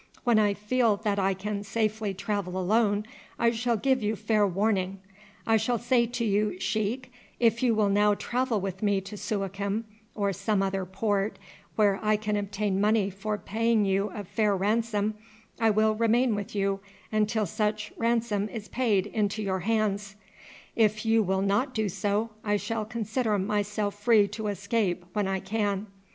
When I feel that I can safely travel alone I shall give you fair warning. I shall say to you, Sheik, if you will now travel with me to Suakim or some other port where I can obtain money for paying you a fair ransom I will remain with you until such ransom is paid into your hands; if you will not do so I shall consider myself free to escape when I can.